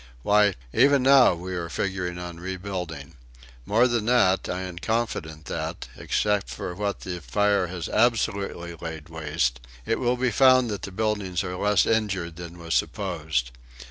Why, even now we are figuring on rebuilding. More than that, I am confident that, except for what fire has absolutely laid waste, it will be found that the buildings are less injured than was supposed.